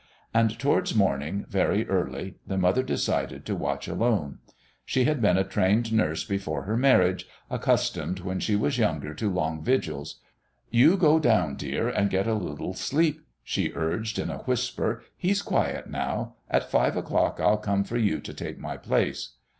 And towards morning, very early, the mother decided to watch alone. She had been a trained nurse before her marriage, accustomed when she was younger to long vigils. "You go down, dear, and get a little sleep," she urged in a whisper. "He's quiet now. At five o'clock I'll come for you to take my place."